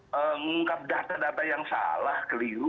mengungkap data data yang salah keliru